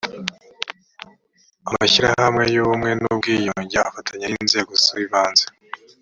amashyirahamwe y ubumwe n ubwiyunge afatanya n inzego z ibanze